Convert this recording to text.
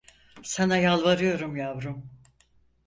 Sana yalvarıyorum yavrum…